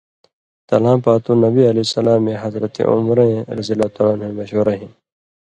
تلاں پاتُو، نبی علیہ سلامے حضرتِ عُمرَؓیں مشورہ ہِن